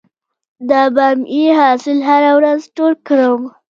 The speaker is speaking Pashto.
د بامیې حاصل هره ورځ ټول کړم؟